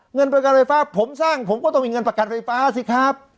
เงินประกันไฟฟ้าผมสร้างผมก็ต้องมีเงินประกันไฟฟ้าสิครับ